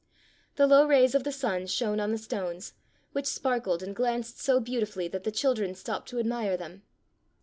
The low rays of the sun shone on the stones, which sparkled and glanced so beautifully that the children stopped to admire them.